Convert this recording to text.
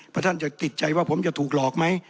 เพราะท่านจะติดใจว่าผมจะถูกหลอกไหม